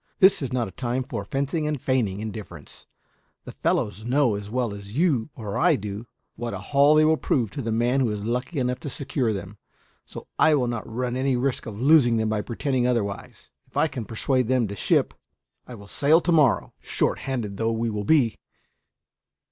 This is not a time for fencing and feigning indifference; the fellows know, as well as you or I do, what a haul they will prove to the man who is lucky enough to secure them, so I will not run any risk of losing them by pretending otherwise. If I can persuade them to ship, I will sail to morrow, short handed though we should be.